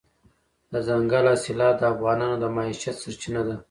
دځنګل حاصلات د افغانانو د معیشت سرچینه ده.